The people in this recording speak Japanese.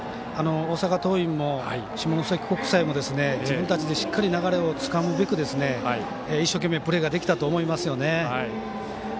大阪桐蔭も下関国際も自分たちでしっかり流れをつかむべく一生懸命プレーができたと思いますよね。